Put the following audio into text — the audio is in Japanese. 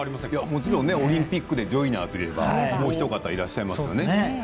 もちろんオリンピックでジョイナーといえばもうひと方いらっしゃいますよね。